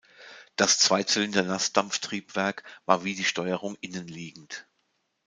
Das Zweizylinder-Nassdampftriebwerk war wie die Steuerung innenliegend.